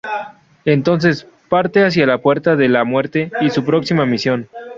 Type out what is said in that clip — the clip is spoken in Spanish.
Entonces parte hacía la Puerta de la Muerte y su próxima misión.